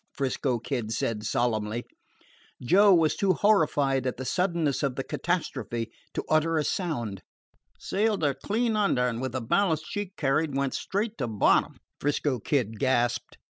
'Frisco Kid said solemnly. Joe was too horrified at the suddenness of the catastrophe to utter a sound. "Sailed her clean under, and, with the ballast she carried, went straight to bottom," 'Frisco Kid gasped.